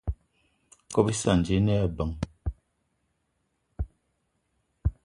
Ikob íssana ji íne lebeng.